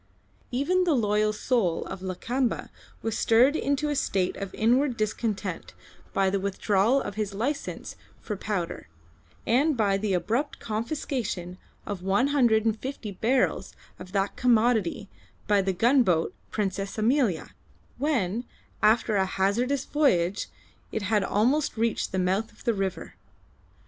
Even the loyal soul of Lakamba was stirred into a state of inward discontent by the withdrawal of his license for powder and by the abrupt confiscation of one hundred and fifty barrels of that commodity by the gunboat Princess Amelia, when, after a hazardous voyage, it had almost reached the mouth of the river.